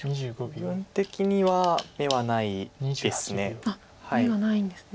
部分的には眼はないです。